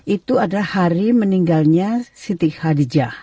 itu adalah hari meninggalnya siti hadijah